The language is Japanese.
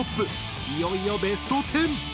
いよいよベスト１０。